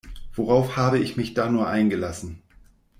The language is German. Worauf habe ich mich da nur eingelassen?